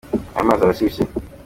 Ayo mazi arashushye.